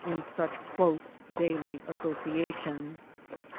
221 in such close daily association.